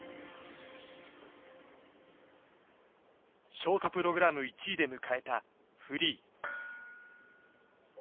ショートプログラム１位で迎えたフリー。